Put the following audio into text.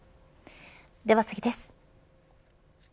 では次です。